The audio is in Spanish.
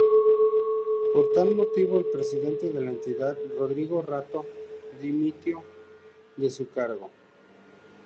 Por tal motivo el presidente de la entidad, Rodrigo Rato dimitió de su cargo.